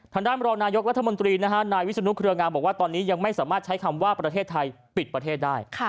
ทางด้านรองนายกรัฐมนตรีนะฮะนายวิศนุเครืองามบอกว่าตอนนี้ยังไม่สามารถใช้คำว่าประเทศไทยปิดประเทศได้